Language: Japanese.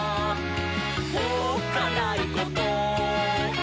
「おっかないこと？」